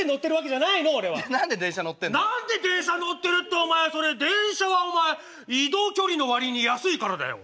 じゃ何で電車乗ってんの？何で電車乗ってるってお前それ電車はお前移動距離の割に安いからだよ。